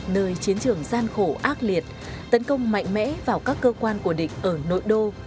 nơi chiến trường gian khổ ác liệt tấn công mạnh mẽ vào các cơ quan của địch ở nội đô